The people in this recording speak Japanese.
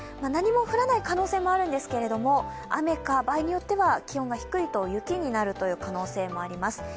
何も降らない可能性もあるんですけれども、雨か、場合によっては気温が低いと雪になる可能性もあります。